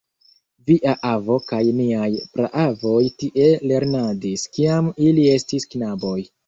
Via avo kaj niaj praavoj tie lernadis, kiam ili estis knaboj.